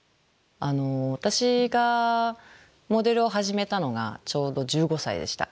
私がモデルを始めたのがちょうど１５歳でした。